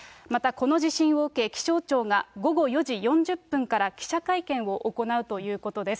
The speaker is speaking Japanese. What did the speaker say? この地震を受け、気象庁が午後４時４０分から記者会見を行うということです。